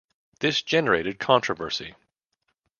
This generated controversy.